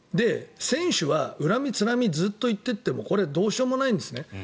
選手は恨みつらみをずっと言っていってもこれ、どうしようもないんですね。